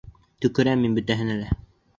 Төкөрәм мин бөтәһенә лә!